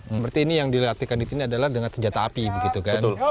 berarti ini yang dilatihkan disini adalah dengan senjata api gitu kan